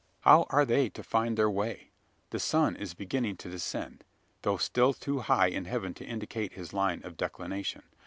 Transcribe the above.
How are they to find their way? The sun is beginning to descend; though still too high in heaven to indicate his line of declination.